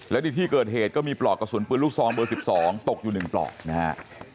และในที่เกิดเหตุก็มีปลอกกระสุนปืนลูกซองเบอร์๑๒ตกอยู่๑ปลอกนะฮะ